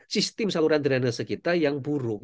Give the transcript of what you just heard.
sistem saluran dry nasa kita yang buruk